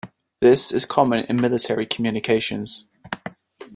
This is common in military communications.